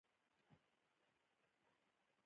په دغې سيمې کې د قومي لږکيو شمېر زيات دی.